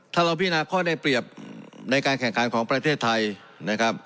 ถ้าเราพินาข้อในเปรียบในการแข่งการของประเทศไทย